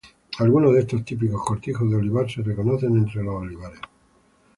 Algunos de estos típicos cortijos de olivar se reconocen entre los olivares.